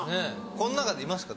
この中でいますか？